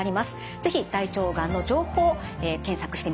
是非大腸がんの情報を検索してみてください。